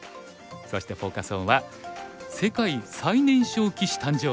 そしてフォーカス・オンは「世界最年少棋士誕生！